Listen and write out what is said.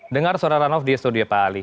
dengar suara ranov di studio pak ali